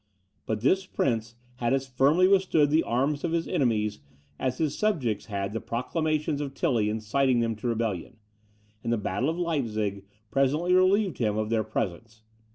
But this prince had as firmly withstood the arms of his enemies, as his subjects had the proclamations of Tilly inciting them to rebellion, and the battle of Leipzig presently relieved him of their presence.